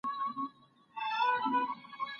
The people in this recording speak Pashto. په توره شپه به په لاسونو کي ډېوې و باسو